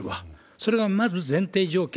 それがまず前提条件。